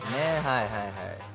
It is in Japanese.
はいはいはい。